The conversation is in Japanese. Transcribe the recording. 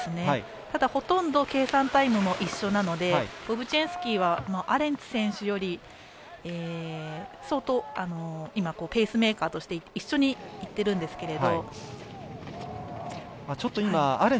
ただ、ほとんど計算タイムも同じなのでボブチンスキーはアレンツ選手より相当、ペースメーカーとして一緒にいってるんですけれど。